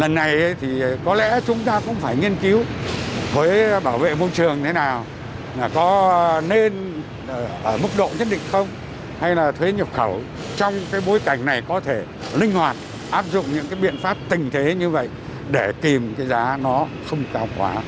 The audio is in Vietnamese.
lần này thì có lẽ chúng ta cũng phải nghiên cứu với bảo vệ môi trường thế nào là có nên ở mức độ nhất định không hay là thuế nhập khẩu trong cái bối cảnh này có thể linh hoạt áp dụng những cái biện pháp tình thế như vậy để tìm cái giá nó không cao quá